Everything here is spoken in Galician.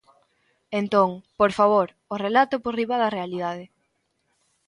Entón, ¡por favor!, o relato por riba da realidade.